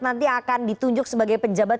nanti akan ditunjuk sebagai penjabat